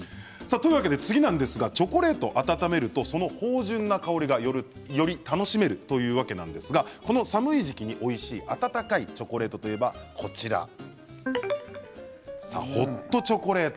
次はチョコレートを温めるとその芳じゅんな香りがより楽しめるということなんですけれどもこの寒い時期においしい温かいチョコレートと言えばホットチョコレート